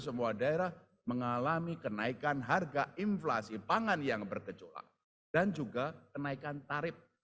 semua daerah mengalami kenaikan harga inflasi pangan yang bergejolak dan juga kenaikan tarif